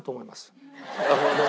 なるほど。